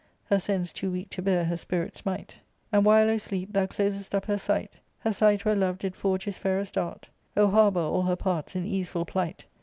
Her sense too weak to bear her spirit's might. And while, O sleep, thou closest up her sight, Her sight where Love did forge his fairest dart, O harbour all her parts in easeful plight.